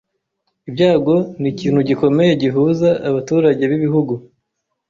Ibyago ni ikintu gikomeye gihuza abaturage b'igihugu.